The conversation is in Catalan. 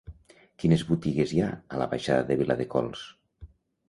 Quines botigues hi ha a la baixada de Viladecols?